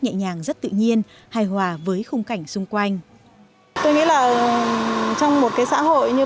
nhẹ nhàng rất tự nhiên hài hòa với khung cảnh xung quanh tôi nghĩ là trong một cái xã hội như